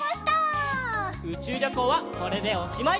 うちゅうりょこうはこれでおしまい！